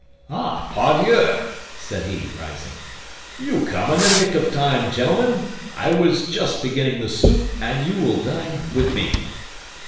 "Ah, pardieu!" said he, rising, "you come in the nick of time, gentlemen. I was just beginning the soup, and you will dine with me."